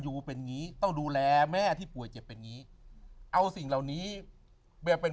อยู่เป็นนี้ต้องดูแลแม่ที่ป่วยเจ็บเป็นนี้เอาสิ่งเหล่านี้เป็น